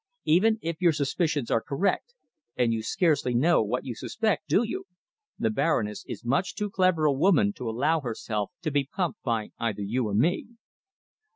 Even if your suspicions are correct and you scarcely know what you suspect, do you? the Baroness is much too clever a woman to allow herself to be pumped by either you or me."